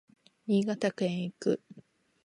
新潟県へ行く